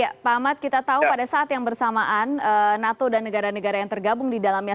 ya pak ahmad kita tahu pada saat yang bersamaan nato dan negara negara yang tergabung di dalamnya